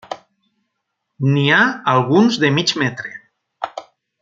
N'hi ha alguns de mig metre.